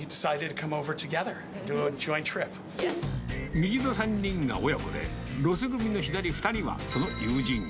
右の３人が親子で、ロス組の左２人はその友人。